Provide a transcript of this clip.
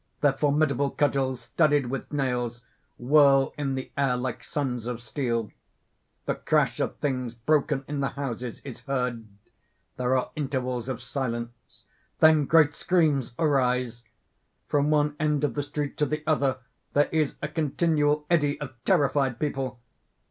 Their formidable cudgels, studded with nails, whirl in the air like suns of steel. The crash of things broken in the houses is heard. There are intervals of silence. Then great screams arise._ _From one end of the street to the other there is a continual eddy of terrified people.